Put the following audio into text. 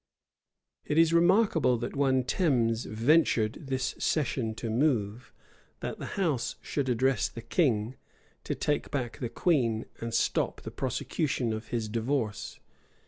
It is remarkable, that one Temse ventured this session to move, that the house should address the king, to take back the queen, and stop the prosecution of his divorce.